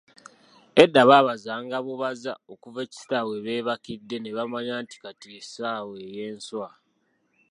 Edda baabazanga bubaza okuva ekiseera webeebakidde nebamanya nti kati ye ssaawa ey'enswa.